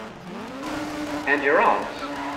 And your aunt.